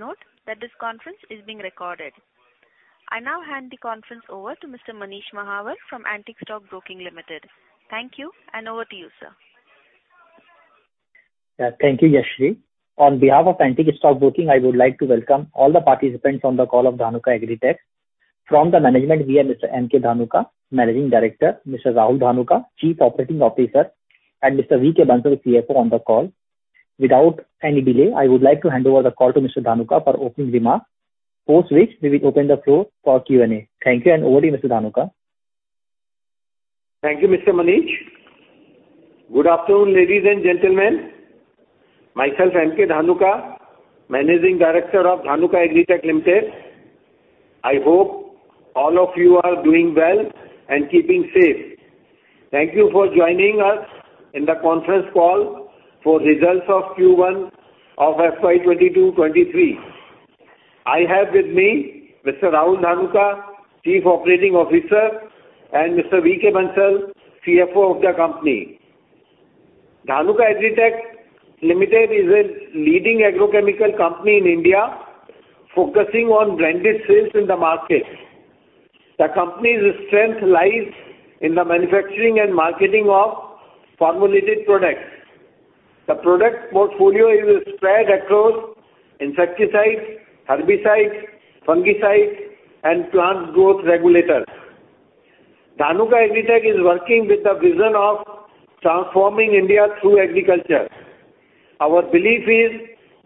Please note that this conference is being recorded. I now hand the conference over to Mr. Manish Mahawar from Antique Stock Broking Limited. Thank you and over to you, sir. Yeah. Thank you, Yashashwi. On behalf of Antique Stock Broking, I would like to welcome all the participants on the call of Dhanuka Agritech. From the management, we have Mr. M.K. Dhanuka, Managing Director, Mr. Rahul Dhanuka, Chief Operating Officer, and Mr. V.K. Bansal, CFO on the call. Without any delay, I would like to hand over the call to Mr. Dhanuka for opening remarks, post which we will open the floor for Q&A. Thank you, and over to you, Mr. Dhanuka. Thank you, Mr. Manish. Good afternoon, ladies and gentlemen. Myself, M.K. Dhanuka, Managing Director of Dhanuka Agritech Limited. I hope all of you are doing well and keeping safe. Thank you for joining us in the conference call for results of Q1 of FY 2022/2023. I have with me Mr. Rahul Dhanuka, Chief Operating Officer, and Mr. V.K. Bansal, CFO of the company. Dhanuka Agritech Limited is a leading agrochemical company in India, focusing on branded sales in the market. The company's strength lies in the manufacturing and marketing of formulated products. The product portfolio is spread across insecticides, herbicides, fungicides, and plant growth regulators. Dhanuka Agritech is working with the vision of transforming India through agriculture. Our belief is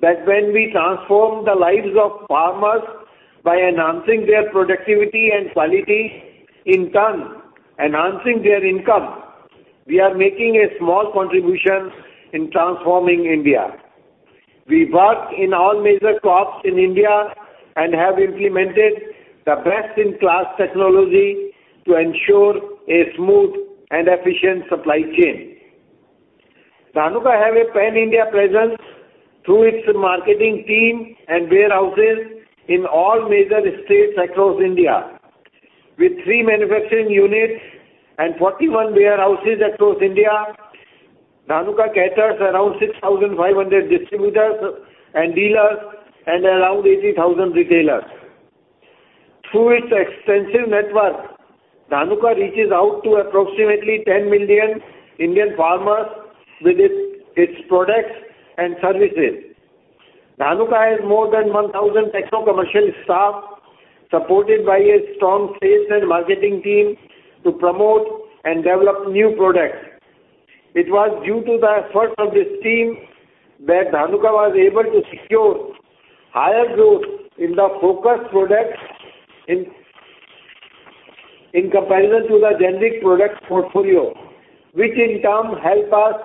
that when we transform the lives of farmers by enhancing their productivity and quality, in turn enhancing their income, we are making a small contribution in transforming India. We work in all major crops in India and have implemented the best-in-class technology to ensure a smooth and efficient supply chain. Dhanuka have a pan-India presence through its marketing team and warehouses in all major states across India. With three manufacturing units and 41 warehouses across India, Dhanuka caters around 6,500 distributors and dealers and around 80,000 retailers. Through its extensive network, Dhanuka reaches out to approximately 10 million Indian farmers with its products and services. Dhanuka has more than 1,000 techno-commercial staff, supported by a strong sales and marketing team to promote and develop new products. It was due to the efforts of this team that Dhanuka was able to secure higher growth in the focused products in comparison to the generic product portfolio, which in turn help us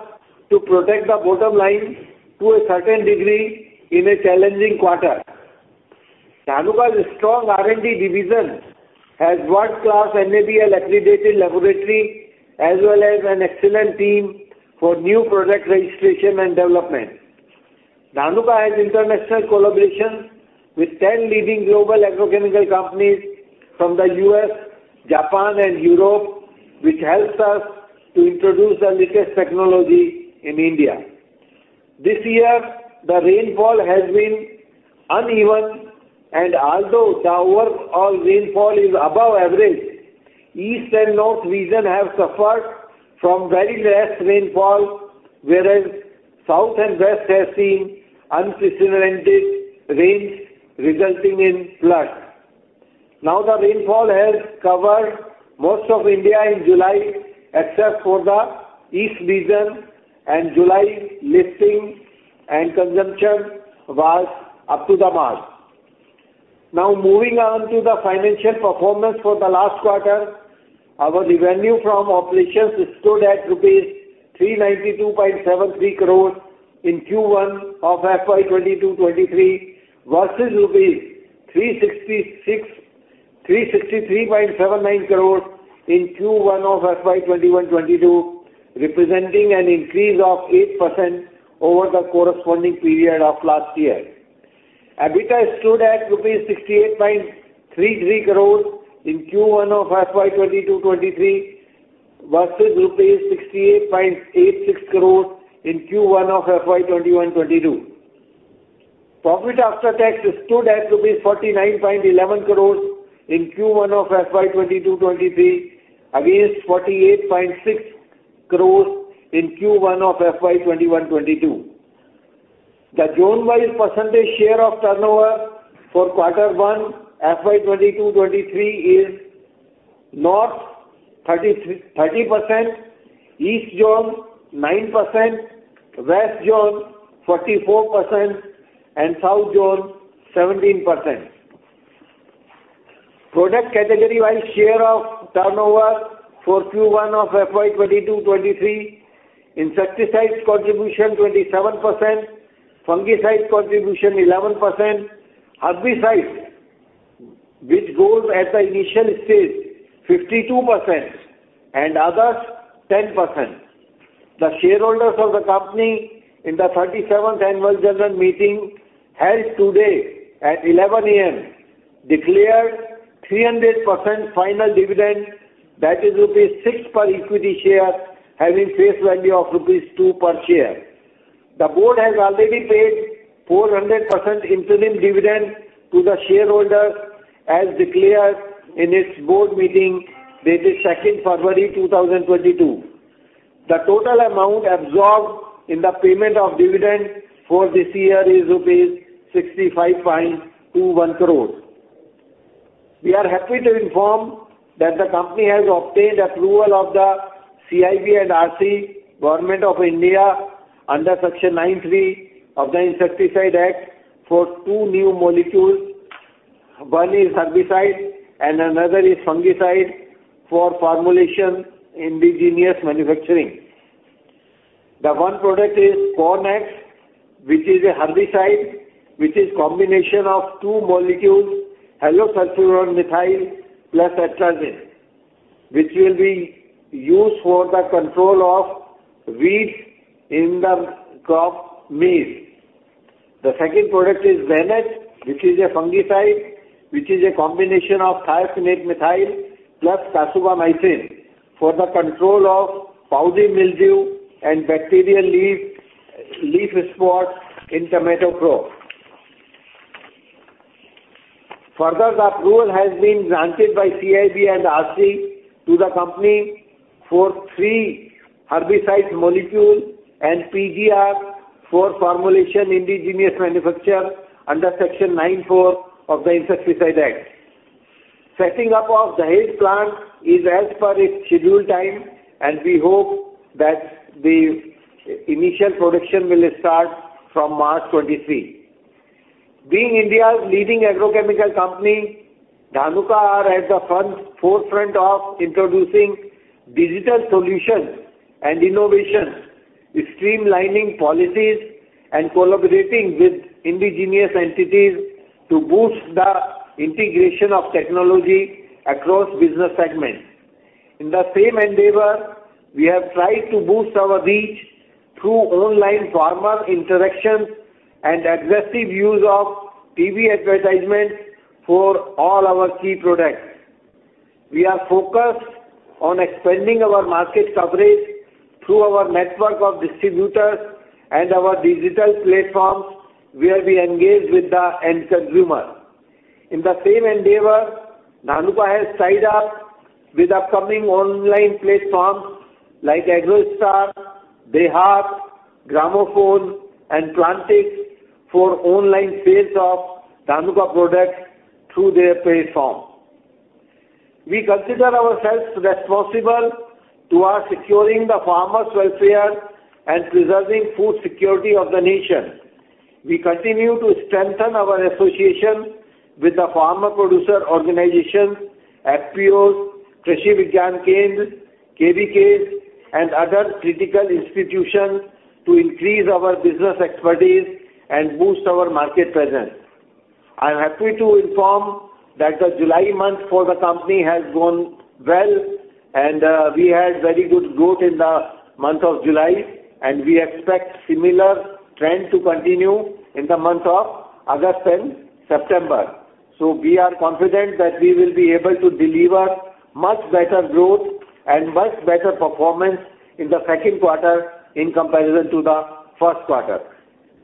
to protect the bottom line to a certain degree in a challenging quarter. Dhanuka's strong R&D division has world-class NABL-accredited laboratory as well as an excellent team for new product registration and development. Dhanuka has international collaborations with 10 leading global agrochemical companies from the U.S., Japan, and Europe, which helps us to introduce the latest technology in India. This year, the rainfall has been uneven, and although the overall rainfall is above average, east and north region have suffered from very less rainfall, whereas south and west have seen unprecedented rains resulting in floods. The rainfall has covered most of India in July, except for the eastern region, and July plantings and consumption were up to the mark. Moving on to the financial performance for the last quarter. Our revenue from operations stood at rupees 392.73 crores in Q1 of FY 2022-FY 2023 versus INR 363.79 crores in Q1 of FY 2021-FY 2022, representing an increase of 8% over the corresponding period of last year. EBITDA stood at rupees 68.33 crores in Q1 of FY 2022- FY 2023 versus rupees 68.86 crores in Q1 of FY 2021-FY 2022. Profit after tax stood at rupees 49.11 crores in Q1 of FY 2022- FY 2023 against 48.6 crores in Q1 of FY 2021- FY 2022. The zone-wise percentage share of turnover for Q1, FY 2022/2023 is North 30%, East zone 9%, West zone 44%, and South zone 17%. Product category-wise share of turnover for Q1 of FY 2022- FY 2023, insecticides contribution 27%, fungicides contribution 11%, herbicides, which grows at the initial stage, 52%, and others 10%. The shareholders of the company in the 37th annual general meeting held today at 11:00 A.M. declared 300% final dividend, that is rupees 6 per equity share, having face value of rupees 2 per share. The board has already paid 400% interim dividend to the shareholders as declared in its board meeting dated February 2, 2022. The total amount absorbed in the payment of dividend for this year is rupees 65.21 crores. We are happy to inform that the company has obtained approval of the CIB&RC, Government of India, under Section 9(3) of the Insecticides Act for two new molecules. One is herbicide and another is fungicide for formulation indigenous manufacturing. The one product is Cornex, which is a herbicide, which is combination of two molecules, halosulfuron-methyl plus atrazine, which will be used for the control of weeds in the crop maize. The second product is Zanet, which is a fungicide, which is a combination of thiophanate-methyl plus kasugamycin for the control of powdery mildew and bacterial leaf spot in tomato crop. Further, the approval has been granted by CIB&RC to the company for three herbicides molecule and PGR for formulation indigenous manufacture under Section 9(4) of the Insecticides Act. Setting up of Dahej plant is as per its scheduled time, and we hope that the initial production will start from March 2023. Being India's leading agrochemical company, Dhanuka are at the forefront of introducing digital solutions and innovations, streamlining policies, and collaborating with indigenous entities to boost the integration of technology across business segments. In the same endeavor, we have tried to boost our reach through online farmer interactions and aggressive use of TV advertisements for all our key products. We are focused on expanding our market coverage through our network of distributors and our digital platforms, where we engage with the end consumer. In the same endeavor, Dhanuka has tied up with upcoming online platforms like AgroStar, DeHaat, Gramophone, and Plantix for online sales of Dhanuka products through their platform. We consider ourselves responsible towards securing the farmers' welfare and preserving food security of the nation. We continue to strengthen our association with the Farmer Producer Organization, FPOs, Krishi Vigyan Kendras, KVKs, and other critical institutions to increase our business expertise and boost our market presence. I'm happy to inform that the July month for the company has gone well and, we had very good growth in the month of July, and we expect similar trend to continue in the months of August and September. We are confident that we will be able to deliver much better growth and much better performance in the second quarter in comparison to the first quarter.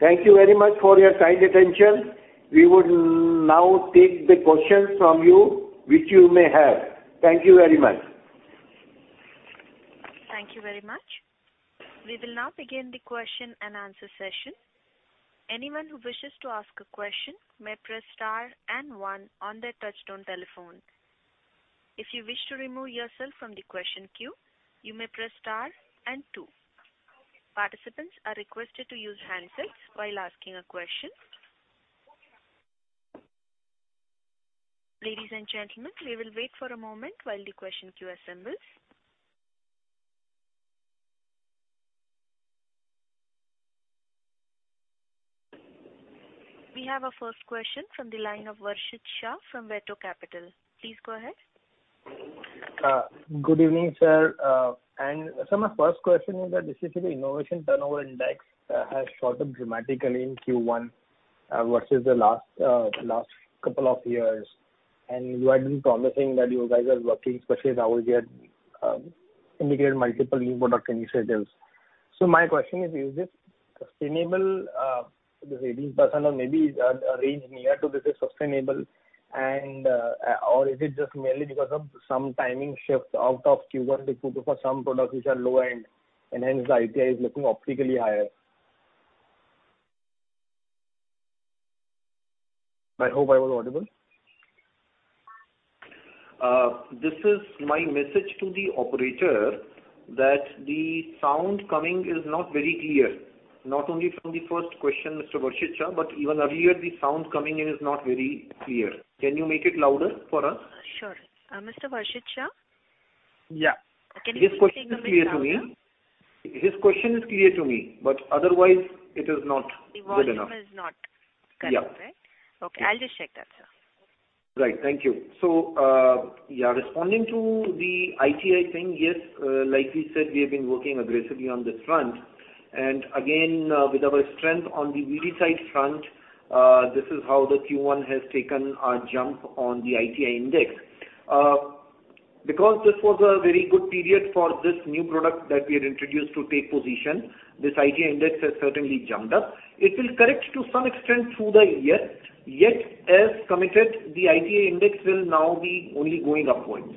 Thank you very much for your kind attention. We would now take the questions from you which you may have. Thank you very much. Thank you very much. We will now begin the question-and-answer session. Anyone who wishes to ask a question may press star and one on their touchtone telephone. If you wish to remove yourself from the question queue, you may press star and two. Participants are requested to use handsets while asking a question. Ladies and gentlemen, we will wait for a moment while the question queue assembles. We have our first question from the line of Varshit Shah from Veto Capital. Please go ahead. Good evening, sir. My first question is that the innovation turnover index has shot up dramatically in Q1 versus the last couple of years. You had been promising that you guys are working, especially as our year indicated multiple new product initiatives. My question is it sustainable this 18% or maybe a range near to this is sustainable or is it just merely because of some timing shift out of Q1 due to for some products which are lower end and hence the ITI is looking optically higher? I hope I was audible. This is my message to the operator that the sound coming is not very clear. Not only from the first question, Mr. Varshit Shah, but even earlier the sound coming in is not very clear. Can you make it louder for us? Sure. Mr. Varshit Shah? Yeah. Can you please speak a bit louder? His question is clear to me, but otherwise it is not good enough. The volume is not correct, right? Yeah. Okay. I'll just check that, sir. Right. Thank you. Responding to the ITI thing, yes, like we said, we have been working aggressively on this front. Again, with our strength on the R&D side front, this is how the Q1 has taken a jump on the ITI index. Because this was a very good period for this new product that we had introduced to take position, this ITI index has certainly jumped up. It will correct to some extent through the year. Yet, as committed, the ITI index will now be only going upwards.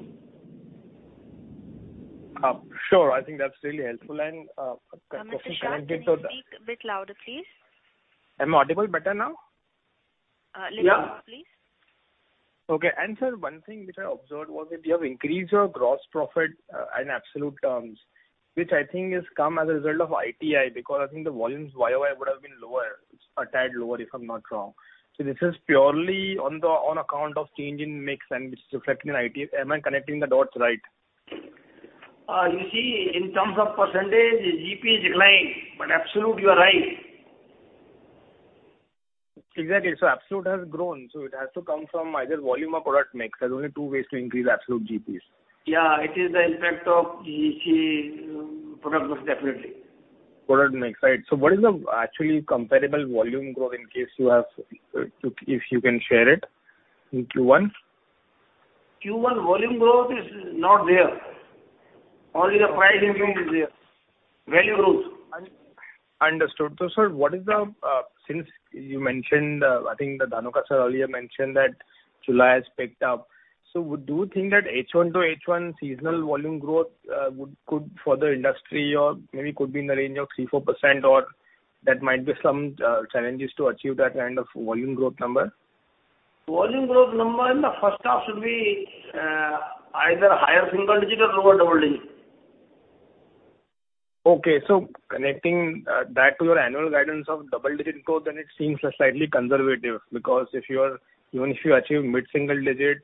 Sure. I think that's really helpful. A question. Mr. Shah, can you speak a bit louder, please? Am I audible better now? Little more please. Okay. Sir, one thing which I observed was that you have increased your gross profit in absolute terms, which I think has come as a result of ITI, because I think the volumes YoY would have been lower, a tad lower, if I'm not wrong. This is purely on account of change in mix and it's reflecting in IT. Am I connecting the dots right? You see, in terms of percentage, GP is declined, but absolute, you are right. Exactly. Absolute has grown, so it has to come from either volume or product mix. There's only two ways to increase absolute GPs. Yeah. It is the impact of EC product mix, definitely. Product mix. Right. What is the actually comparable volume growth in case you have, if you can share it in Q1? Q1 volume growth is not there. Only the pricing growth is there. Value growth. Understood. Sir, what is the, since you mentioned, I think that Dhanuka sir earlier mentioned that July has picked up. Do you think that H1 to H1 seasonal volume growth could for the industry or maybe could be in the range of 3%-4%, or there might be some challenges to achieve that kind of volume growth number? Volume growth number in the first half should be either higher single-digit or lower double-digit. Connecting that to your annual guidance of double-digit growth, it seems slightly conservative. Because if you even achieve mid-single digit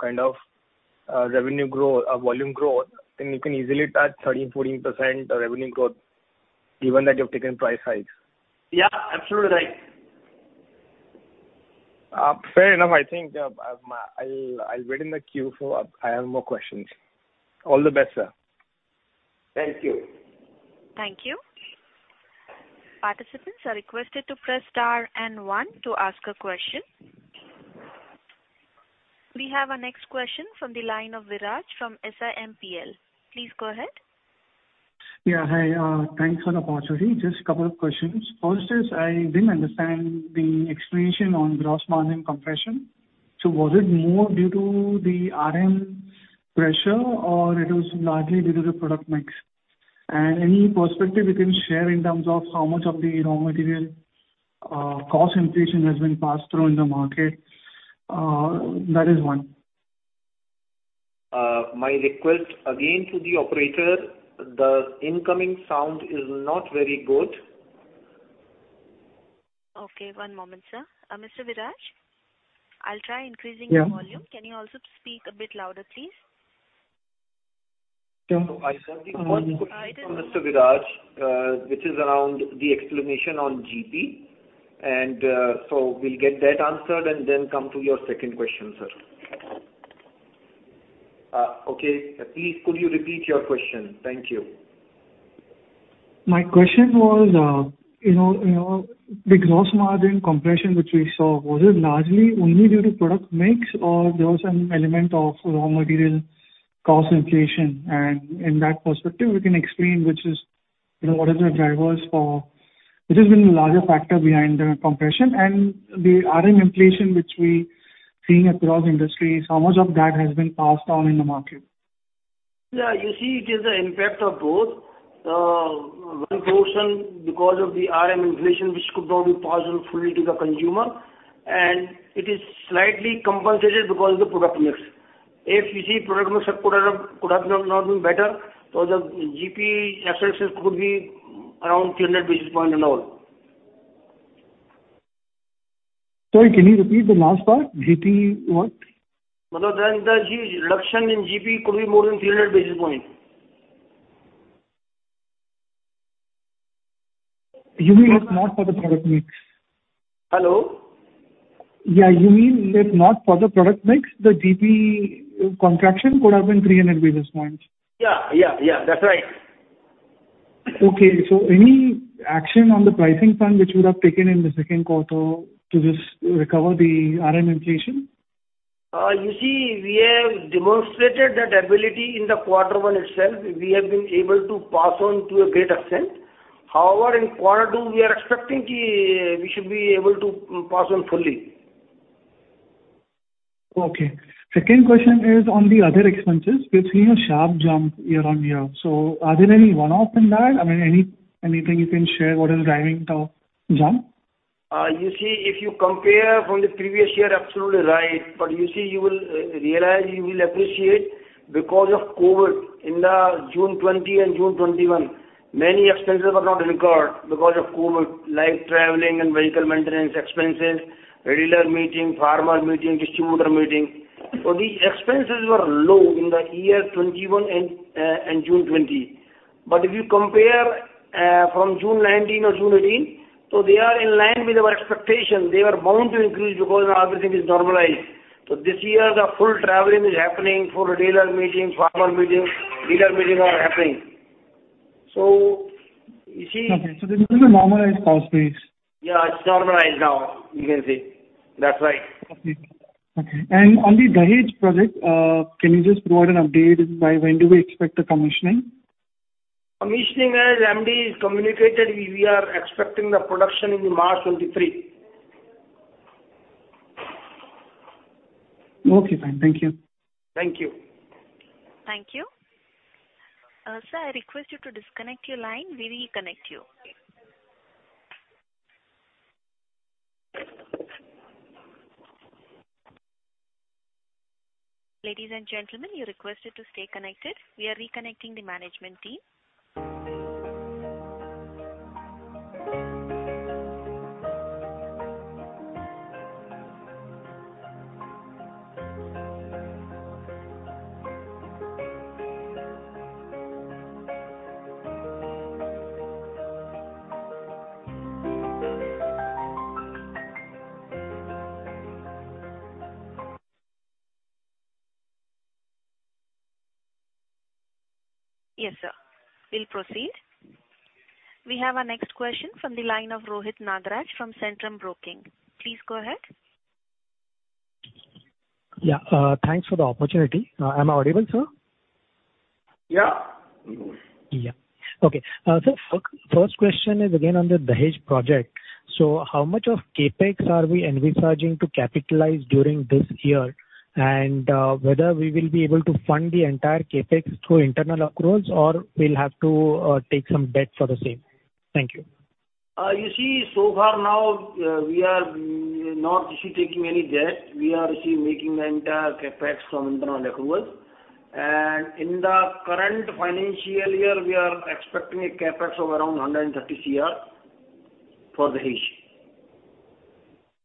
kind of volume growth, you can easily touch 13%-14% revenue growth even though you've taken price hikes. Yeah, absolutely right. Fair enough. I think, I'll wait in the queue, for I have more questions. All the best, sir. Thank you. Thank you. Participants are requested to press star and one to ask a question. We have our next question from the line of Viraj from SIMPL. Please go ahead. Yeah. Hi. Thanks for the opportunity. Just a couple of questions. First is, I didn't understand the explanation on gross margin compression. Was it more due to the RM pressure or it was largely due to the product mix? And any perspective you can share in terms of how much of the raw material cost inflation has been passed through in the market? That is one. My request again to the operator, the incoming sound is not very good. Okay, one moment, sir. Mr. Viraj, I'll try increasing the volume. Yeah. Can you also speak a bit louder, please? Yeah. I think one question from Mr. Viraj, which is around the explanation on GP. We'll get that answered and then come to your second question, sir. Okay. Please, could you repeat your question? Thank you. My question was, you know, the gross margin compression which we saw, was it largely only due to product mix or there was an element of raw material cost inflation? In that perspective, we can explain which is, you know, what is the drivers for which has been the larger factor behind the compression. The RM inflation which we seeing across industries, how much of that has been passed on in the market? You see, it is the impact of both, one portion because of the RM inflation, which could not be passed on fully to the consumer, and it is slightly compensated because of the product mix. If you see product mix could not have been better, so the GP effect could be around 300 basis point and all. Sorry, can you repeat the last part? GP what? The reduction in GP could be more than 300 basis points. You mean if not for the product mix? Hello? Yeah. You mean if not for the product mix, the GP contraction could have been 300 basis points? Yeah. That's right. Any action on the pricing front which would have taken in the second quarter to just recover the RM inflation? You see, we have demonstrated that ability in the quarter one itself. We have been able to pass on to a great extent. However, in quarter two we are expecting we should be able to pass on fully. Okay. Second question is on the other expenses, we're seeing a sharp jump year-over-year. Are there any one-off in that? I mean, any, anything you can share what is driving the jump? You see, if you compare from the previous year, absolutely right. You see, you will realize, you will appreciate because of COVID in the June 2020 and June 2021, many expenses were not incurred because of COVID, like traveling and vehicle maintenance expenses, regional meeting, farmer meeting, distributor meeting. The expenses were low in the year 2021 and June 2020. If you compare from June 2019 or June 2018, they are in line with our expectation. They were bound to increase because now everything is normalized. This year the full traveling is happening, full dealer meeting, farmer meeting, leader meeting are happening. You see. Okay. This is a normalized cost base. Yeah, it's normalized now, you can say. That's right. Okay. On the Dahej project, can you just provide an update by when do we expect the commissioning? Commissioning, as MD has communicated, we are expecting the production in March 2023. Okay, fine. Thank you. Thank you. Thank you. Sir, I request you to disconnect your line. We will reconnect you. Okay. Ladies and gentlemen, you're requested to stay connected. We are reconnecting the management team. Yes, sir. We'll proceed. We have our next question from the line of Rohit Nagraj from Centrum Broking. Please go ahead. Yeah. Thanks for the opportunity. Am I audible, sir? Yeah. First question is again on the Dahej project. How much of CapEx are we envisaging to capitalize during this year? Whether we will be able to fund the entire CapEx through internal accruals or we'll have to take some debt for the same? Thank you. You see, so far now, we are not taking any debt. We are making the entire CapEx from internal accruals. In the current financial year we are expecting a CapEx of around 130 crore for Dahej. All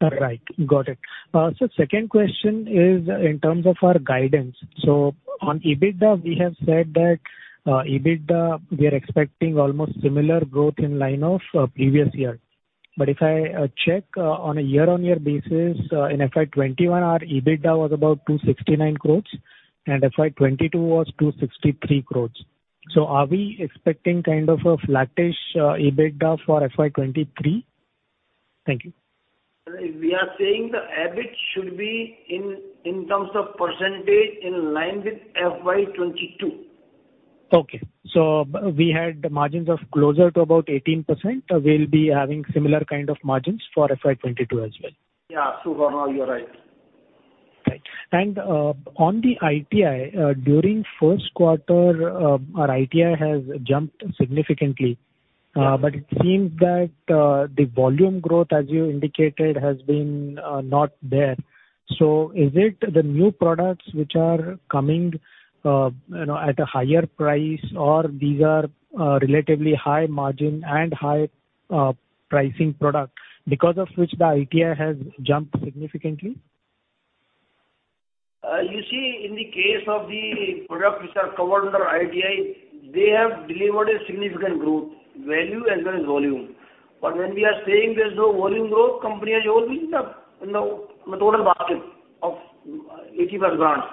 right. Got it. Second question is in terms of our guidance. On EBITDA we have said that, EBITDA we are expecting almost similar growth in line with previous year. If I check on a year-on-year basis, in FY 2021 our EBITDA was about 269 crore and FY 2022 was 263 crore. Are we expecting kind of a flattish EBITDA for FY 2023? Thank you. We are saying the EBIT should be in terms of percentage in line with FY 2022. We had margins of closer to about 18%. We'll be having similar kind of margins for FY 2022 as well. Yeah. So far now you're right. Right. On the ITI, during first quarter, our ITI has jumped significantly. Yeah. It seems that the volume growth as you indicated has been not there. Is it the new products which are coming, you know, at a higher price or these are relatively high margin and high pricing products because of which the EBITDA has jumped significantly? You see in the case of the products which are covered under ITI, they have delivered a significant growth, value as well as volume. When we are saying there's no volume growth, company has always been the, you know, the total basket of 80+ brands.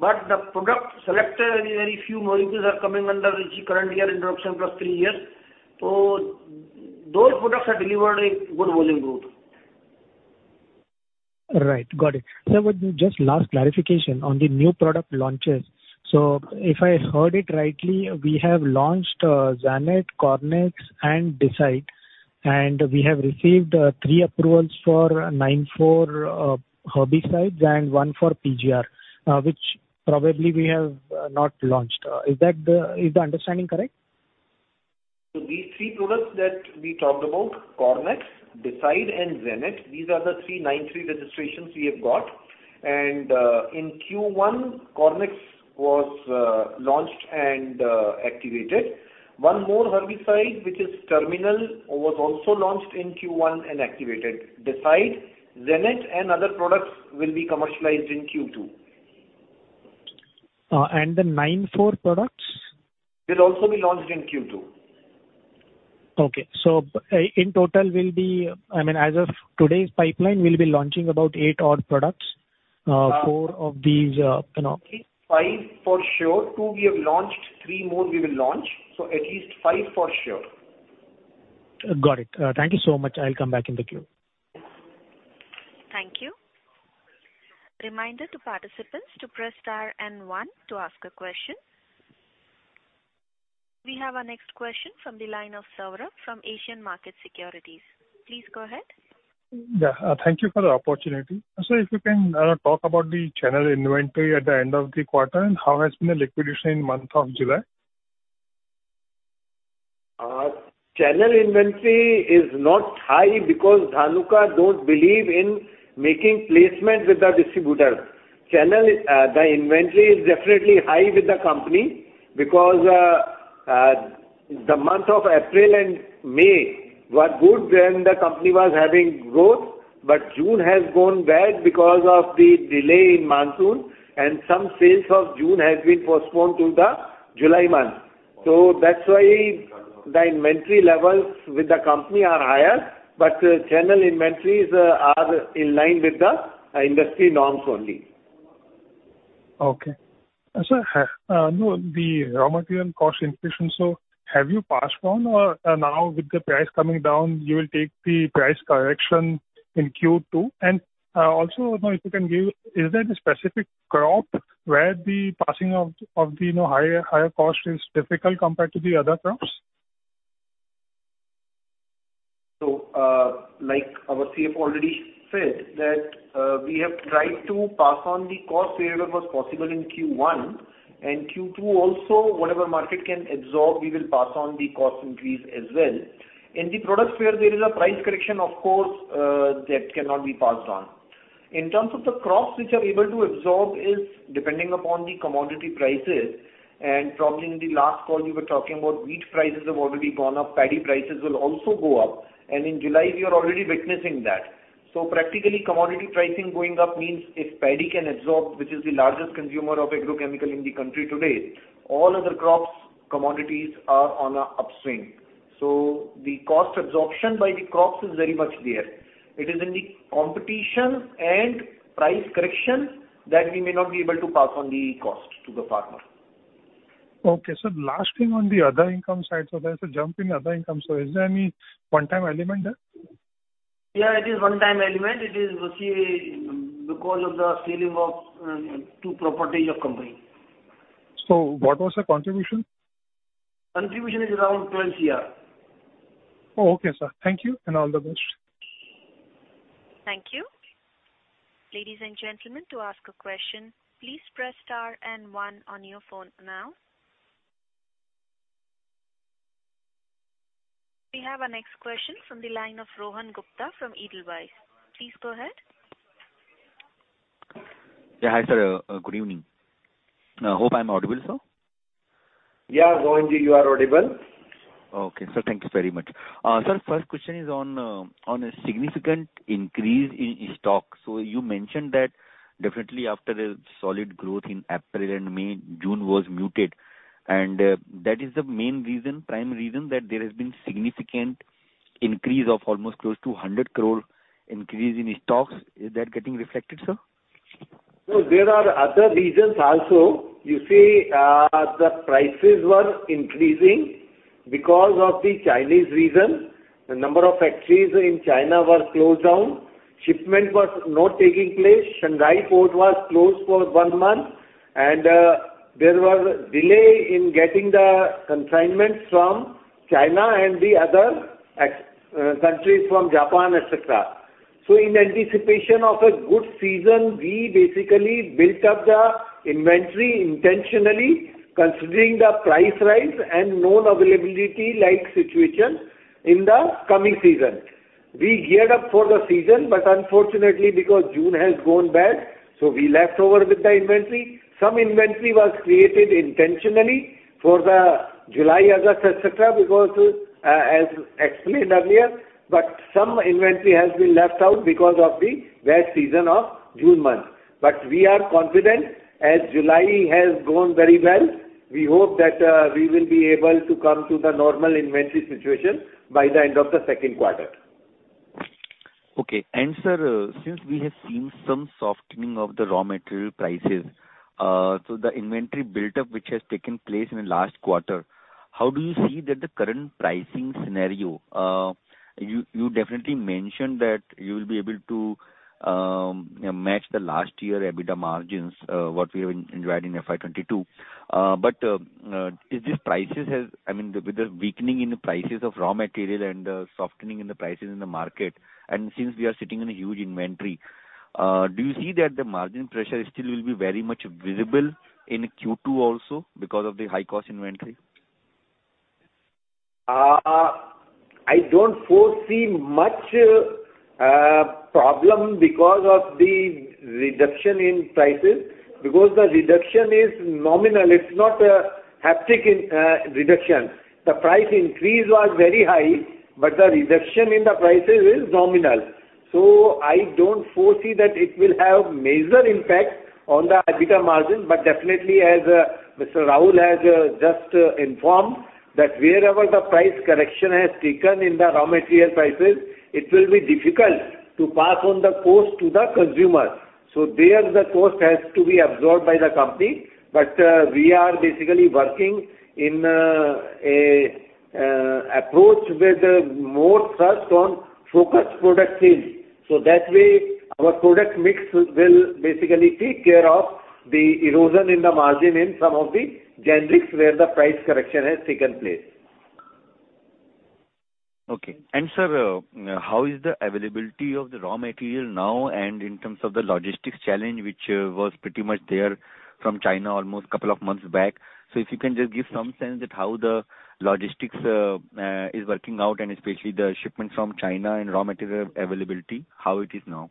The product selected, very, very few molecules are coming under the current year introduction +3 years. Those products are delivered with good volume growth. Right. Got it. Sir, one just last clarification on the new product launches. If I heard it rightly, we have launched Zanet, Cornex and Decide, and we have received three approvals for Section 9(4) herbicides and one for PGR, which probably we have not launched. Is the understanding correct? These three products that we talked about, Cornex, Decide and Zanet, these are the three Section 9(3) registrations we have got. In Q1 Cornex was launched and activated. One more herbicide which is Terminal was also launched in Q1 and activated. Decide, Zanet and other products will be commercialized in Q2. Section 9(4) products? Will also be launched in Q2. Okay. In total we'll be launching about eight odd products. I mean, as of today's pipeline we'll be launching about 8 odd products. Four of these, you know- Five for sure. Two we have launched, three more we will launch. At least five for sure. Got it. Thank you so much. I'll come back in the queue. Thank you. Reminder to participants to press star and one to ask a question. We have our next question from the line of Saurabh from Asian Markets Securities. Please go ahead. Yeah. Thank you for the opportunity. Sir, if you can talk about the channel inventory at the end of the quarter and how has been the liquidation in month of July? Channel inventory is not high because Dhanuka don't believe in making placement with the distributor. The inventory is definitely high with the company because the month of April and May were good when the company was having growth, but June has gone bad because of the delay in monsoon and some sales of June has been postponed to the July month. That's why the inventory levels with the company are higher, but channel inventories are in line with the industry norms only. Okay. Sir, the raw material cost inflation, so have you passed on or now with the price coming down, you will take the price correction in Q2? Also, if you can give, is there a specific crop where the passing of the higher cost is difficult compared to the other crops? Like our CFO already said that, we have tried to pass on the cost wherever was possible in Q1 and Q2 also, whatever market can absorb, we will pass on the cost increase as well. In the products where there is a price correction, of course, that cannot be passed on. In terms of the crops which are able to absorb is depending upon the commodity prices, and probably in the last call you were talking about wheat prices have already gone up, paddy prices will also go up, and in July, we are already witnessing that. Practically commodity pricing going up means if paddy can absorb, which is the largest consumer of agrochemical in the country today, all other crops commodities are on a upswing. The cost absorption by the crops is very much there. It is in the competition and price correction that we may not be able to pass on the cost to the farmer. Okay, sir. Last thing on the other income side. There's a jump in other income. Is there any one-time element there? Yeah, it is one-time element. It is, see, because of the selling of two properties of company. What was the contribution? Contribution is around 20 crore. Okay, sir. Thank you and all the best. Thank you. Ladies and gentlemen, to ask a question, please press star and one on your phone now. We have our next question from the line of Rohan Gupta from Edelweiss. Please go ahead. Yeah, hi, sir. Good evening. Hope I'm audible, sir. Yeah, Rohan, you are audible. Okay, sir. Thank you very much. Sir, first question is on a significant increase in stock. You mentioned that definitely after a solid growth in April and May, June was muted. That is the main reason, prime reason that there has been significant increase of almost close to 100 crore increase in stocks. Is that getting reflected, sir? There are other reasons also. You see, the prices were increasing because of the Chinese reason. The number of factories in China were closed down, shipment was not taking place. Shanghai port was closed for one month, and there was delay in getting the consignments from China and the other countries from Japan, et cetera. In anticipation of a good season, we basically built up the inventory intentionally considering the price rise and non-availability like situation in the coming season. We geared up for the season, but unfortunately because June has gone bad, so we left over with the inventory. Some inventory was created intentionally for the July, August, et cetera, because, as explained earlier, but some inventory has been left out because of the bad season of June month. We are confident as July has gone very well. We hope that we will be able to come to the normal inventory situation by the end of the second quarter. Okay. Sir, since we have seen some softening of the raw material prices, the inventory buildup which has taken place in the last quarter, how do you see that the current pricing scenario? You definitely mentioned that you will be able to match the last year EBITDA margins what we have enjoyed in FY 2022. Is this prices I mean, with the weakening in the prices of raw material and the softening in the prices in the market, and since we are sitting in a huge inventory, do you see that the margin pressure still will be very much visible in Q2 also because of the high cost inventory? I don't foresee much problem because of the reduction in prices, because the reduction is nominal. It's not a hectic reduction. The price increase was very high, but the reduction in the prices is nominal. I don't foresee that it will have major impact on the EBITDA margin. Definitely as Mr. Rahul Dhanuka has just informed that wherever the price correction has taken place in the raw material prices, it will be difficult to pass on the cost to the consumer. There the cost has to be absorbed by the company. We are basically working in a approach with more thrust on focused product sales. That way our product mix will basically take care of the erosion in the margin in some of the generics where the price correction has taken place. Okay. Sir, how is the availability of the raw material now and in terms of the logistics challenge, which was pretty much there from China almost couple of months back. If you can just give some sense that how the logistics is working out and especially the shipment from China and raw material availability, how it is now?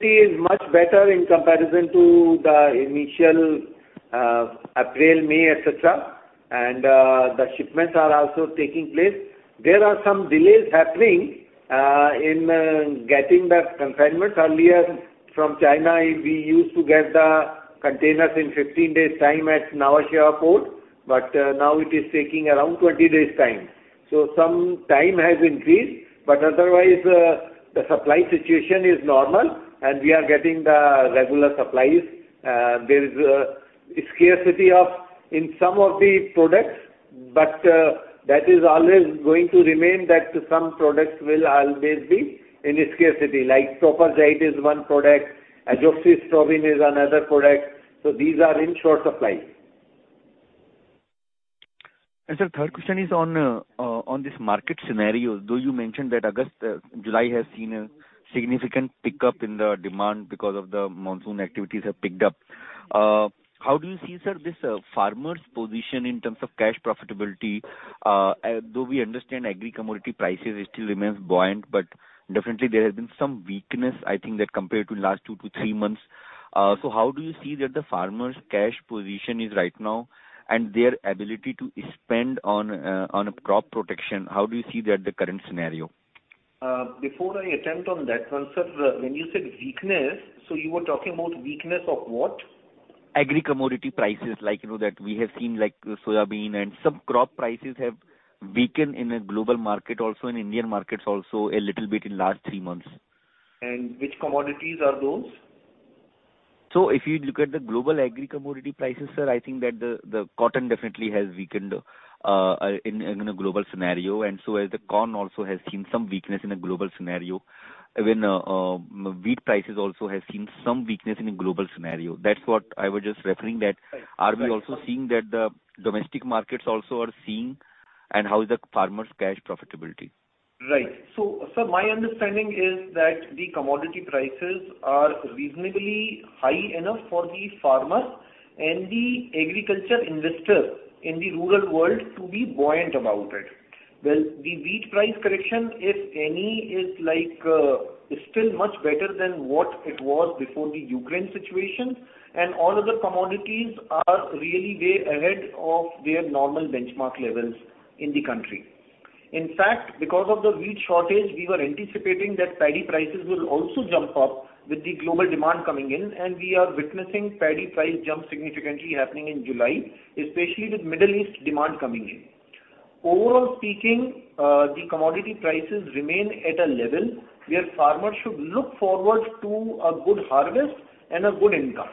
It is much better in comparison to the initial April, May, et cetera. The shipments are also taking place. There are some delays happening in getting the consignments. Earlier from China, we used to get the containers in 15 days' time at Nhava Sheva Port, but now it is taking around 20 days' time. Some time has increased, but otherwise the supply situation is normal and we are getting the regular supplies. There is a scarcity in some of the products, but that is always going to remain that some products will always be in a scarcity. Like Propargite is one product, Azoxystrobin is another product. These are in short supply. Sir, third question is on this market scenario, though you mentioned that August, July has seen a significant pickup in the demand because of the monsoon activities have picked up. How do you see, sir, this farmer's position in terms of cash profitability? Though we understand agri commodity prices still remains buoyant, but definitely there has been some weakness, I think that compared to last two to three months. How do you see that the farmers cash position is right now and their ability to spend on crop protection? How do you see that the current scenario? Before I attempt on that one, sir, when you said weakness, so you were talking about weakness of what? Agri commodity prices, like, you know, that we have seen like soybean and some crop prices have weakened in a global market, also in Indian markets also a little bit in last three months. Which commodities are those? If you look at the global agri commodity prices, sir, I think that the cotton definitely has weakened in a global scenario. As the corn also has seen some weakness in a global scenario. Even wheat prices also have seen some weakness in a global scenario. That's what I was just referring to that. Right. Are we also seeing that the domestic markets also are seeing and how is the farmers' cash profitability? Right. Sir, my understanding is that the commodity prices are reasonably high enough for the farmer and the agriculture investor in the rural world to be buoyant about it. Well, the wheat price correction, if any, is like, still much better than what it was before the Ukraine situation. All other commodities are really way ahead of their normal benchmark levels in the country. In fact, because of the wheat shortage, we were anticipating that paddy prices will also jump up with the global demand coming in, and we are witnessing paddy price jump significantly happening in July, especially with Middle East demand coming in. Overall speaking, the commodity prices remain at a level where farmers should look forward to a good harvest and a good income.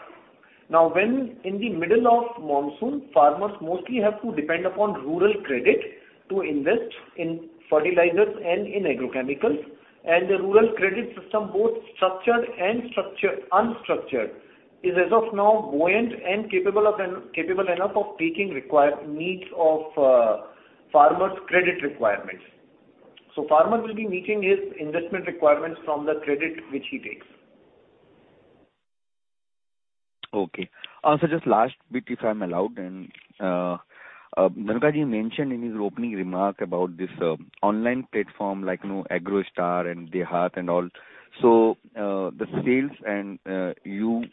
Now, when in the middle of monsoon, farmers mostly have to depend upon rural credit to invest in fertilizers and in agrochemicals. The rural credit system, both structured and unstructured, is as of now buoyant and capable enough of taking requirements of farmers' credit requirements. Farmer will be meeting his investment requirements from the credit which he takes. Okay. Just last bit, if I'm allowed, and Dhanuka you mentioned in his opening remark about this online platform like, you know, AgroStar and DeHaat and all. The sales and you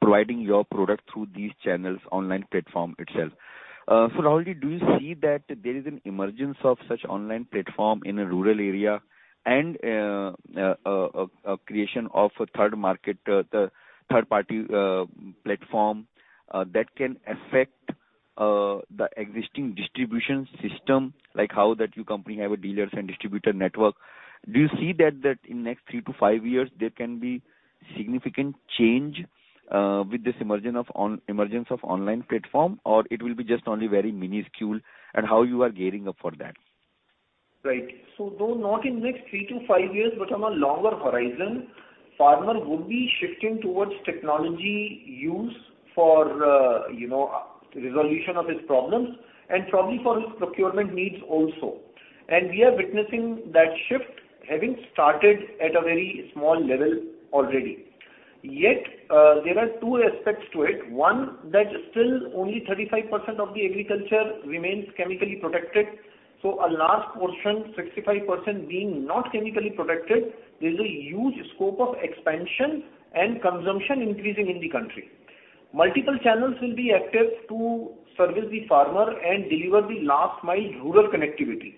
providing your product through these channels, online platform itself. How do you see that there is an emergence of such online platform in a rural area and a creation of a third market, third party platform that can affect the existing distribution system, like how your company have a dealers and distributor network. Do you see that in next three-five years there can be significant change with this emergence of online platform, or it will be just only very minuscule and how you are gearing up for that? Right. Though not in next three-five years, but on a longer horizon, farmer would be shifting towards technology use for resolution of his problems and probably for his procurement needs also. We are witnessing that shift having started at a very small level already. Yet, there are two aspects to it. One, that still only 35% of the agriculture remains chemically protected. So a large portion, 65% being not chemically protected, there is a huge scope of expansion and consumption increasing in the country. Multiple channels will be active to service the farmer and deliver the last mile rural connectivity.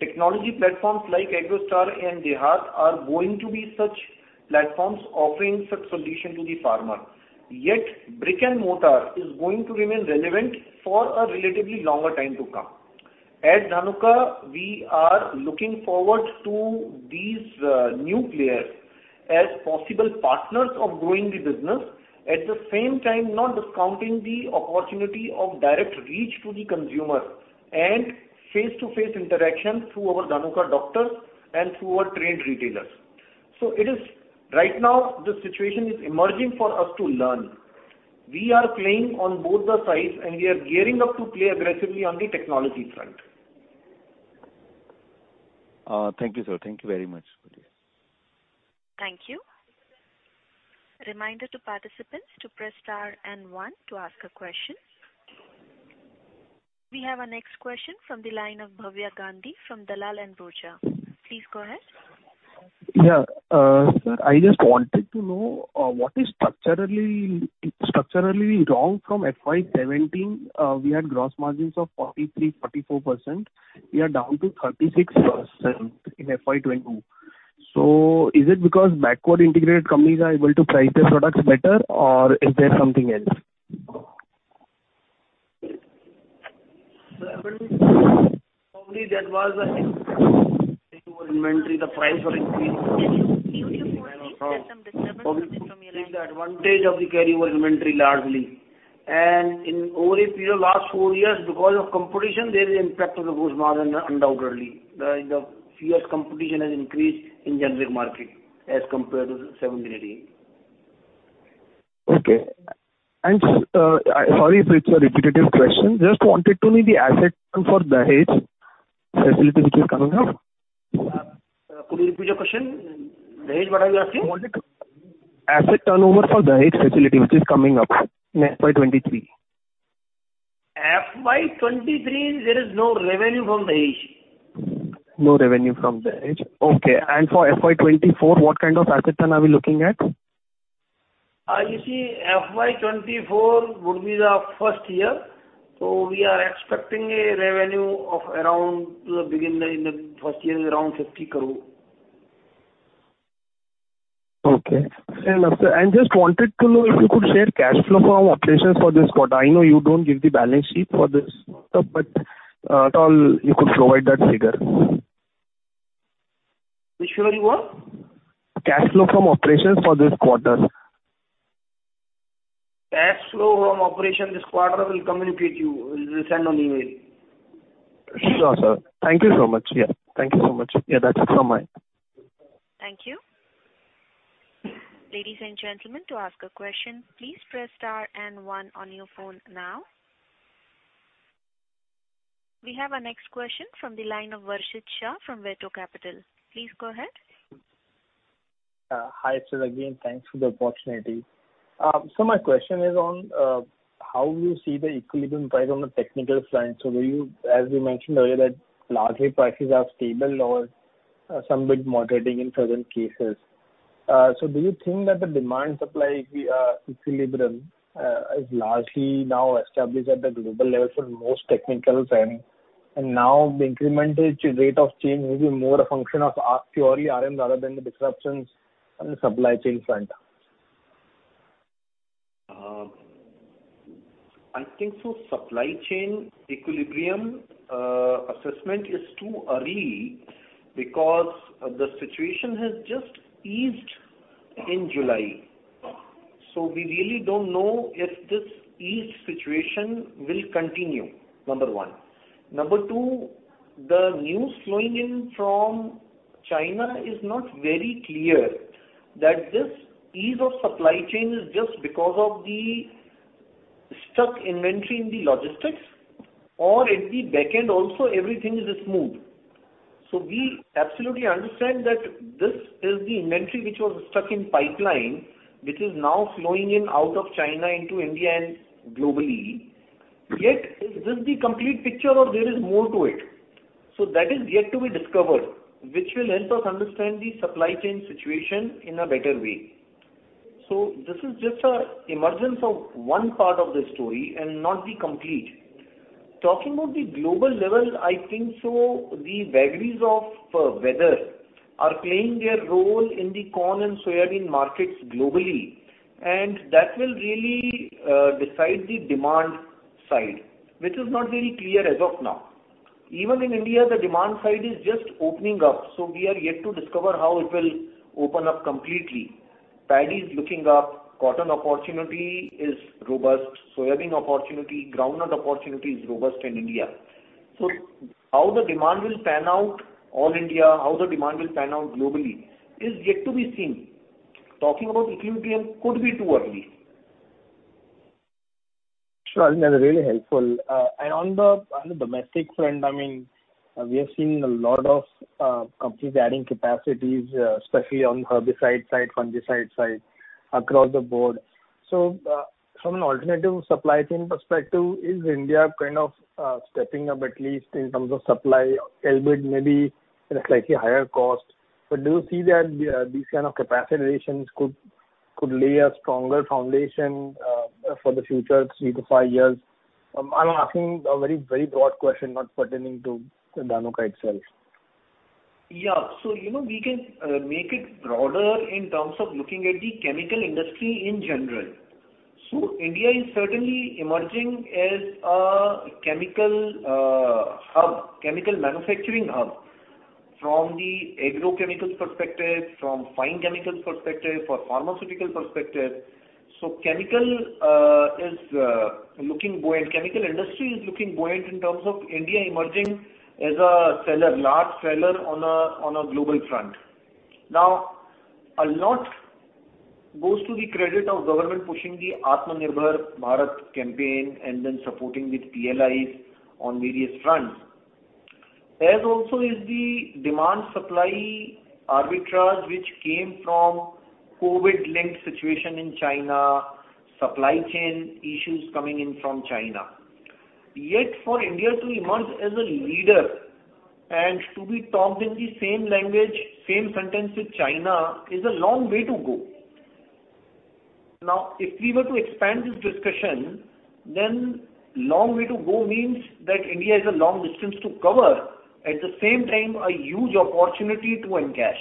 Technology platforms like AgroStar and DeHaat are going to be such platforms offering such solution to the farmer. Yet brick and mortar is going to remain relevant for a relatively longer time to come. At Dhanuka, we are looking forward to these new players as possible partners of growing the business. At the same time, not discounting the opportunity of direct reach to the consumer and face-to-face interactions through our Dhanuka Doctors and through our trained retailers. It is, right now the situation is emerging for us to learn. We are playing on both the sides and we are gearing up to play aggressively on the technology front. Thank you, sir. Thank you very much. Thank you. Reminder to participants to press star and one to ask a question. We have our next question from the line of Bhavya Gandhi from Dalal & Broacha. Please go ahead. Sir, I just wanted to know, what is structurally wrong from FY 2017, we had gross margins of 43%-44%. We are down to 36% in FY 2022. Is it because backward-integrated companies are able to price their products better or is there something else? Probably that was the inventory, the price was increased. There's some disturbance coming from your end. Probably the advantage of the carry over inventory largely. In over a period of last four years, because of competition, there is impact on the gross margin undoubtedly. The fierce competition has increased in generic market as compared to 2017, 2018. Okay. Sorry if it's a repetitive question. Just wanted to know the asset turn for Dahej facility which is coming up. Could you repeat your question? Dahej, what are you asking? Asset turnover for Dahej facility which is coming up in FY 2023. FY 2023, there is no revenue from Dahej. No revenue from Dahej. Okay. For FY 2024, what kind of asset turn are we looking at? You see, FY 2024 would be the first year, so we are expecting a revenue of around the beginning in the first year is around INR 50 crore. Okay. Just wanted to know if you could share cash flow from operations for this quarter. I know you don't give the balance sheet for this stuff, but at all you could provide that figure. Which figure you want? Cash flow from operations for this quarter. Cash flow from operations this quarter. We'll communicate to you. We'll send it on email. Sure, sir. Thank you so much. Yeah, thank you so much. Yeah, that's it from my end. Thank you. Ladies and gentlemen, to ask a question, please press star and one on your phone now. We have our next question from the line of Varshit Shah from Veto Capital. Please go ahead. Hi, Sir again. Thanks for the opportunity. My question is on how you see the equilibrium price on the technical front. As you mentioned earlier, that largely prices are stable or somewhat moderating in certain cases. Do you think that the demand supply equilibrium is largely now established at the global level for most technicals, and now the incremental rate of change will be more a function of raw material rather than the disruptions on the supply chain front? I think so supply chain equilibrium assessment is too early because the situation has just eased in July. We really don't know if this eased situation will continue, number one. Number two, the news flowing in from China is not very clear that this ease of supply chain is just because of the stuck inventory in the logistics or at the back end also everything is smooth. We absolutely understand that this is the inventory which was stuck in pipeline, which is now flowing in out of China into India and globally. Yet, is this the complete picture or there is more to it? That is yet to be discovered, which will help us understand the supply chain situation in a better way. This is just an emergence of one part of the story and not the complete. Talking about the global level, I think so the vagaries of weather are playing their role in the corn and soybean markets globally, and that will really decide the demand side, which is not very clear as of now. Even in India, the demand side is just opening up, so we are yet to discover how it will open up completely. Paddy is looking up, cotton opportunity is robust, soybean opportunity, groundnut opportunity is robust in India. How the demand will pan out all India, how the demand will pan out globally is yet to be seen. Talking about equilibrium could be too early. Sure. That's really helpful. On the domestic front, we have seen a lot of companies adding capacities, especially on the herbicide side, fungicide side across the board. From an alternative supply chain perspective, is India kind of stepping up at least in terms of supply or capability, maybe at a slightly higher cost? Do you see that these kind of capacity additions could lay a stronger foundation for the future three-five years? I'm asking a very broad question, not pertaining to Dhanuka itself. Yeah. You know, we can make it broader in terms of looking at the chemical industry in general. India is certainly emerging as a chemical hub, chemical manufacturing hub from the agrochemicals perspective, from fine chemicals perspective, from pharmaceutical perspective. Chemical industry is looking buoyant in terms of India emerging as a seller, large seller on a global front. Now, a lot goes to the credit of government pushing the Atmanirbhar Bharat campaign and then supporting with PLIs on various fronts. There's also the demand supply arbitrage which came from COVID-linked situation in China, supply chain issues coming in from China. Yet for India to emerge as a leader and to be talked in the same language, same sentence with China is a long way to go. Now, if we were to expand this discussion, then long way to go means that India has a long distance to cover, at the same time, a huge opportunity to encash.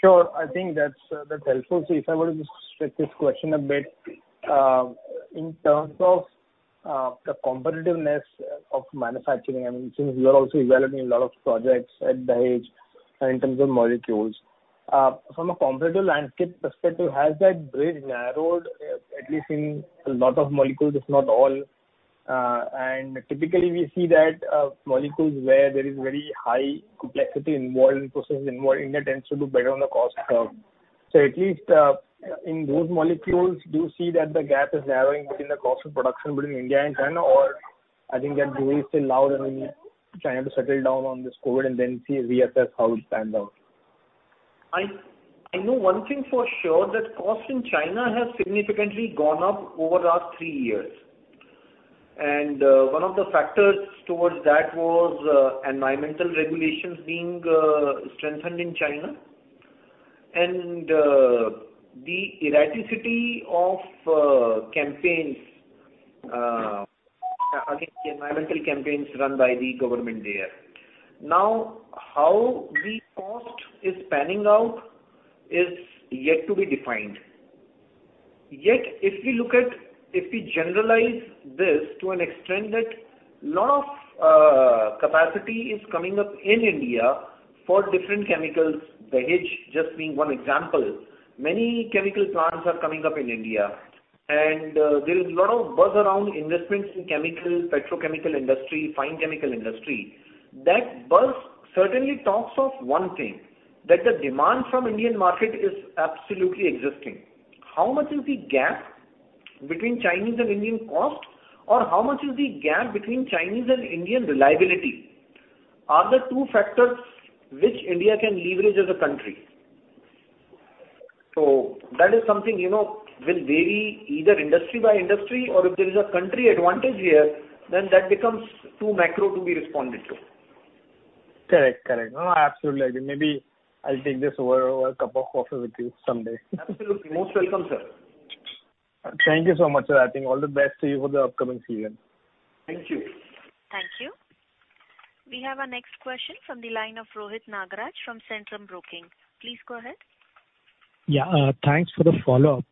Sure. I think that's helpful. If I were to stretch this question a bit, in terms of the competitiveness of manufacturing, I mean, since you are also evaluating a lot of projects at Dahej in terms of molecules. From a competitive landscape perspective, has that breach narrowed, at least in a lot of molecules, if not all? Typically we see that molecules where there is very high complexity involved in processing. In India tends to do better on the cost curve. At least in those molecules, do you see that the gap is narrowing between the cost of production in India and China? I think that breach is still out and we need China to settle down on this COVID and then reassess how it stands out. I know one thing for sure that cost in China has significantly gone up over the last three years. One of the factors towards that was environmental regulations being strengthened in China and the erraticity of campaigns, again, the environmental campaigns run by the government there. Now, how the cost is panning out is yet to be defined. Yet, if we generalize this to an extent that a lot of capacity is coming up in India for different chemicals, Dahej just being one example, many chemical plants are coming up in India, and there is a lot of buzz around investments in chemical, petrochemical industry, fine chemical industry. That buzz certainly talks of one thing, that the demand from Indian market is absolutely existing. How much is the gap between Chinese and Indian cost, or how much is the gap between Chinese and Indian reliability? Are the two factors which India can leverage as a country. That is something, you know, will vary either industry by industry or if there is a country advantage here, then that becomes too macro to be responded to. Correct. No, I absolutely agree. Maybe I'll take this over a cup of coffee with you someday. Absolutely. Most welcome, sir. Thank you so much, sir. I think all the best to you for the upcoming season. Thank you. Thank you. We have our next question from the line of Rohit Nagraj from Centrum Broking. Please go ahead. Yeah, thanks for the follow-up.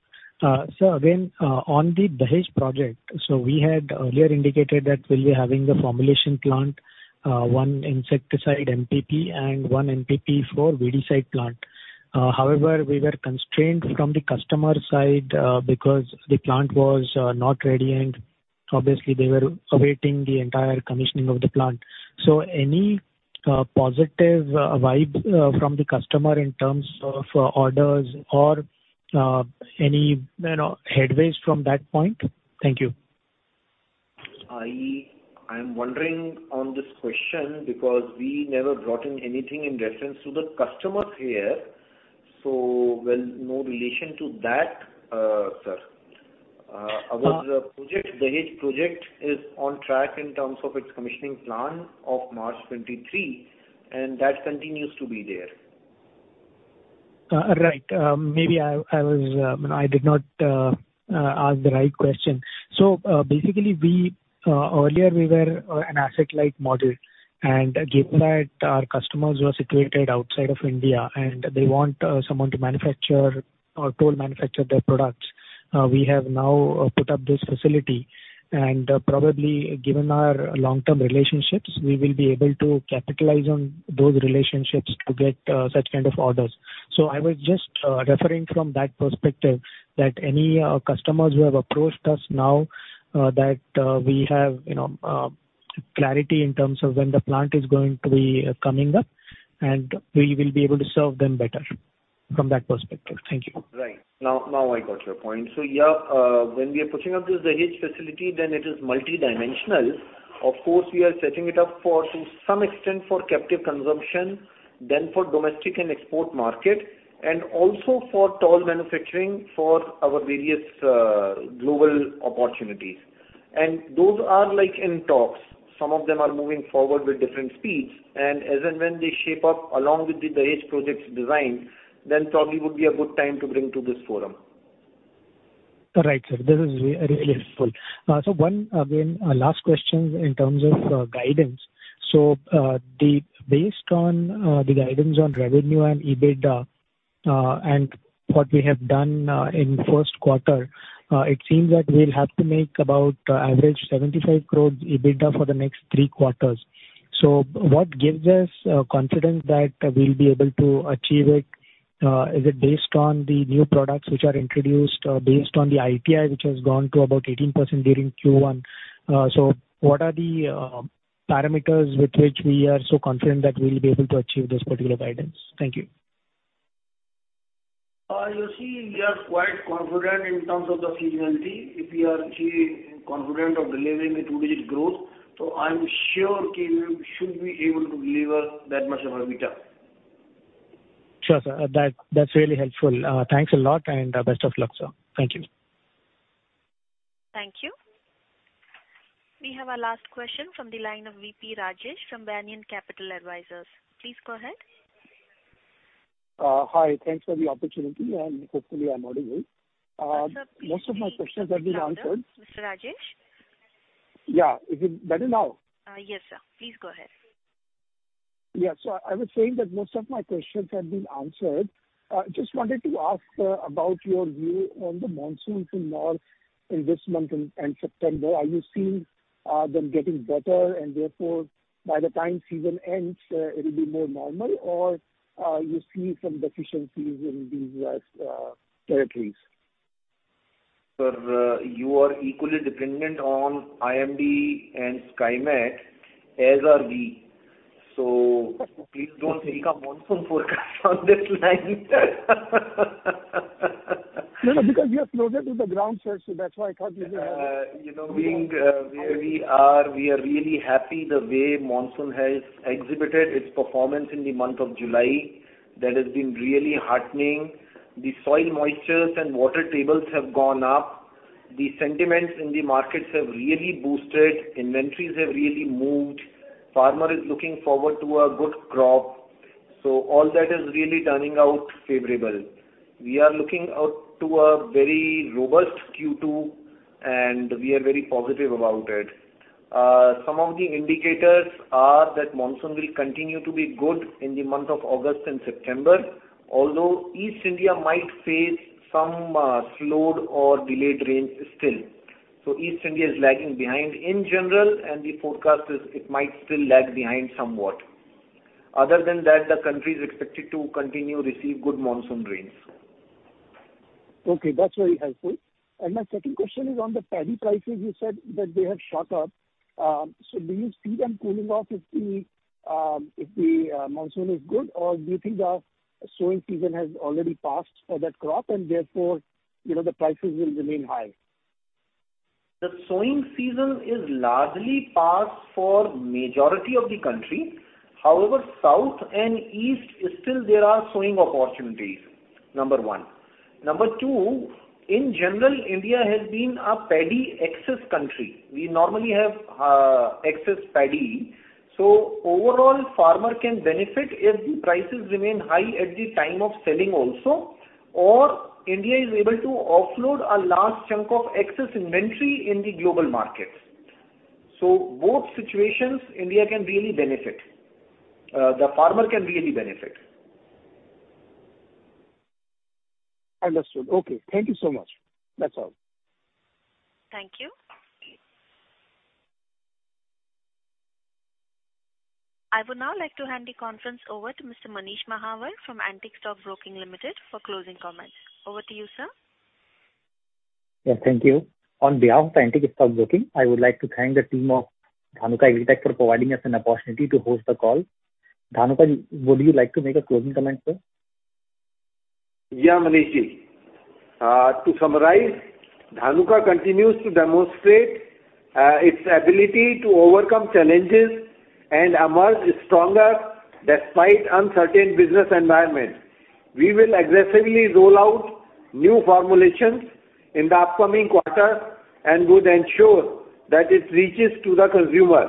Again, on the Dahej project, we had earlier indicated that we'll be having the formulation plant, one insecticide MPP and one MPP for herbicide plant. However, we were constrained from the customer side, because the plant was not ready and obviously they were awaiting the entire commissioning of the plant. Any positive vibes from the customer in terms of orders or any, you know, headways from that point? Thank you. I'm wondering on this question because we never brought in anything in reference to the customers here, so well, no relation to that, sir. Our project, Dahej project is on track in terms of its commissioning plan of March 2023, and that continues to be there. Right. Maybe I did not ask the right question. Basically, earlier we were an asset-light model, and given that our customers were situated outside of India, and they want someone to manufacture or tool manufacture their products, we have now put up this facility. Probably given our long-term relationships, we will be able to capitalize on those relationships to get such kind of orders. I was just referring from that perspective that any customers who have approached us now that we have, you know, clarity in terms of when the plant is going to be coming up, and we will be able to serve them better from that perspective. Thank you. Right. Now I got your point. Yeah, when we are putting up this Dahej facility then it is multidimensional. Of course, we are setting it up for, to some extent for captive consumption, then for domestic and export market and also for toll manufacturing for our various global opportunities. Those are like in talks. Some of them are moving forward with different speeds and as and when they shape up along with the Dahej project's design, then probably would be a good time to bring to this forum. Right, sir. This is really helpful. One, again, last question in terms of guidance. Based on the guidance on revenue and EBITDA, and what we have done in first quarter, it seems that we'll have to make about average 75 crore EBITDA for the next three quarters. What gives us confidence that we'll be able to achieve it? Is it based on the new products which are introduced or based on the IIP, which has gone to about 18% during Q1? What are the parameters with which we are so confident that we'll be able to achieve this particular guidance? Thank you. You see, we are quite confident in terms of the seasonality. If we are, say, confident of delivering a two-digit growth, I'm sure we should be able to deliver that much of EBITDA. Sure, sir. That, that's really helpful. Thanks a lot and best of luck, sir. Thank you. Thank you. We have our last question from the line of V.P. Rajesh from Banyan Capital Advisors. Please go ahead. Hi. Thanks for the opportunity, and hopefully I'm audible. Most of my questions have been answered. Mr. V.P. Rajesh? Yeah. Is it better now? Yes, sir. Please go ahead. Yeah. I was saying that most of my questions have been answered. I just wanted to ask about your view on the monsoon in North in this month and September. Are you seeing them getting better and therefore by the time season ends, it'll be more normal or you see some deficiencies in these territories? Sir, you are equally dependent on IMD and Skymet as are we. Please don't take a monsoon forecast on this line. No, no, because you are closer to the ground source, so that's why I thought you could have. You know, being where we are, we are really happy the way monsoon has exhibited its performance in the month of July. That has been really heartening. The soil moistures and water tables have gone up. The sentiments in the markets have really boosted. Inventories have really moved. Farmer is looking forward to a good crop. All that is really turning out favorable. We are looking out to a very robust Q2, and we are very positive about it. Some of the indicators are that monsoon will continue to be good in the month of August and September. Although East India might face some slowed or delayed rains still. East India is lagging behind in general and the forecast is it might still lag behind somewhat. Other than that, the country is expected to continue receive good monsoon rains. Okay, that's very helpful. My second question is on the paddy prices. You said that they have shot up. Do you see them cooling off if the monsoon is good or do you think the sowing season has already passed for that crop and therefore, you know, the prices will remain high? The sowing season is largely passed for majority of the country. However, south and east still there are sowing opportunities, number one. Number two, in general, India has been a paddy excess country. We normally have excess paddy. Overall, farmer can benefit if the prices remain high at the time of selling also, or India is able to offload a large chunk of excess inventory in the global markets. Both situations India can really benefit. The farmer can really benefit. Understood. Okay. Thank you so much. That's all. Thank you. I would now like to hand the conference over to Mr. Manish Mahawar from Antique Stock Broking Limited for closing comments. Over to you, sir. Yes, thank you. On behalf of Antique Stock Broking, I would like to thank the team of Dhanuka Agritech for providing us an opportunity to host the call. Dhanuka, would you like to make a closing comment, sir? Yeah, Manish. To summarize, Dhanuka continues to demonstrate its ability to overcome challenges and emerge stronger despite uncertain business environment. We will aggressively roll out new formulations in the upcoming quarter and would ensure that it reaches to the consumer.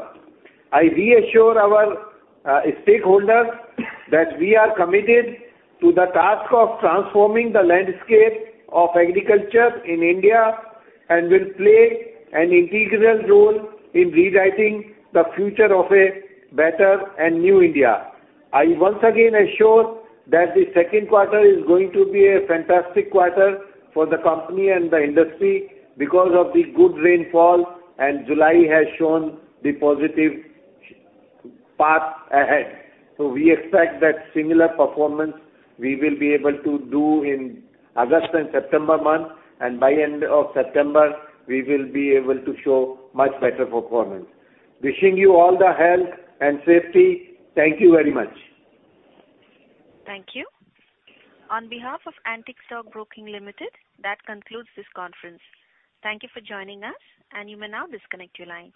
I reassure our stakeholders that we are committed to the task of transforming the landscape of agriculture in India and will play an integral role in rewriting the future of a better and new India. I once again assure that the second quarter is going to be a fantastic quarter for the company and the industry because of the good rainfall and July has shown the positive path ahead. We expect that similar performance we will be able to do in August and September month, and by end of September we will be able to show much better performance. Wishing you all the health and safety. Thank you very much. Thank you. On behalf of Antique Stock Broking Limited, that concludes this conference. Thank you for joining us, and you may now disconnect your lines.